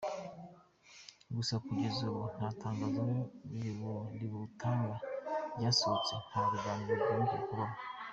Gusa kugeza ubu nta tangazo ributanga ryasohotse, nta biganiro byongeye kubaho.